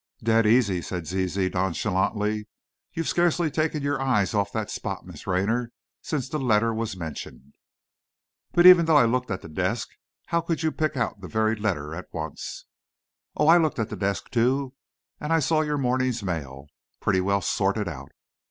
"Dead easy," said Zizi, nonchalantly; "you've scarcely taken your eyes off that spot, Miss Raynor, since the letter was mentioned!" "But even though I looked at the desk, how could you pick out the very letter, at once?" "Oh, I looked at the desk, too. And I saw your morning's mail, pretty well sorted out.